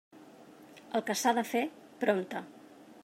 El que s'ha de fer, prompte.